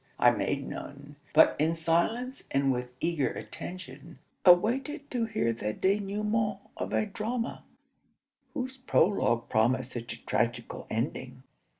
I made none; but in silence and with eager attention awaited to hear the denouement of a drama, whose prologue promised such a tragical ending.